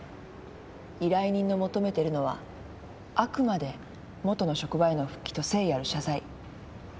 依頼人の求めてるのはあくまで元の職場への復帰と誠意ある謝罪。